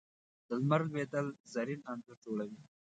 د لمر لوېدل زرین انځور جوړوي